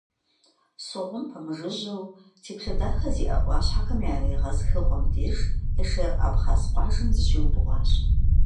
Согъум пэмыжыжьэу, теплъэ дахэ зиӀэ Ӏуащхьэхэм я егъэзыхыгъуэм деж, Эшер абхъаз къуажэм зыщиубгъуащ.